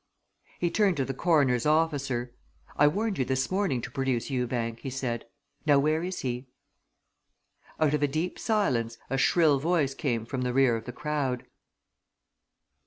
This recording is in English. He turned to the coroner's officer. "I warned you this morning to produce Ewbank," he said. "Now, where is he?" Out of a deep silence a shrill voice came from the rear of the crowd.